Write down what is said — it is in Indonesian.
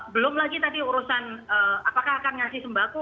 belum lagi tadi urusan apakah akan ngasih sembako